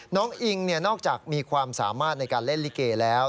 อิงนอกจากมีความสามารถในการเล่นลิเกแล้ว